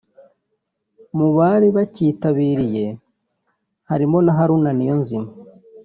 Mu bari bacyitabiriye harimo na Haruna Niyonzima